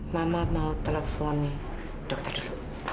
mama mau telepon dokter dulu